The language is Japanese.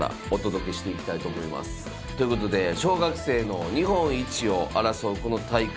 ということで小学生の日本一を争うこの大会